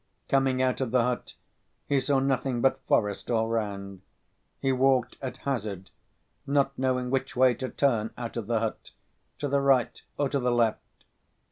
Coming out of the hut he saw nothing but forest all round. He walked at hazard, not knowing which way to turn out of the hut, to the right or to the left.